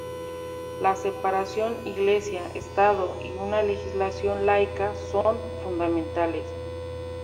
La separación Iglesia-Estado y una legislación laica son fundamentales.